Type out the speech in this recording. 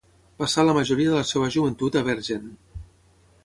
Passà la majoria de la seva joventut a Bergen.